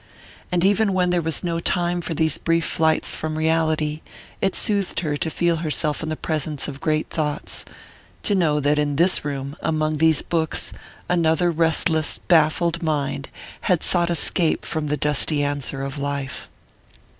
And even when there was no time for these brief flights from reality, it soothed her to feel herself in the presence of great thoughts to know that in this room, among these books, another restless baffled mind had sought escape from the "dusty answer" of life.